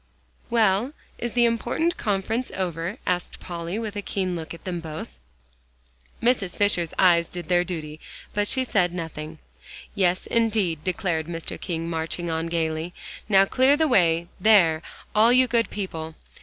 "Well, is the important conference over?" asked Polly, with a keen look at them both. Mrs. Fisher's eyes did their duty, but she said nothing. "Yes, indeed," declared Mr. King, marching on gaily. "Now clear the way there, all you good people.